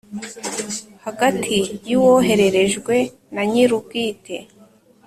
hagati y uwohererejwe na nyirubwite